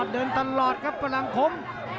เดินตลอดครับพลังคม